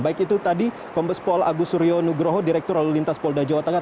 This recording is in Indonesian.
baik itu tadi kompes pol agus suryo nugroho direktur lalu lintas polda jawa tengah